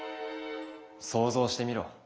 想像してみろ。